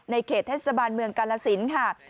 เขตเทศบาลเมืองกาลสินค่ะ